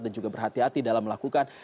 dan juga berhati hati dalam melakukan